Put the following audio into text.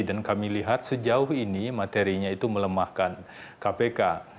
dan kami lihat sejauh ini materinya itu melemahkan kpk